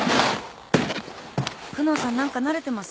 久能さん何か慣れてますね。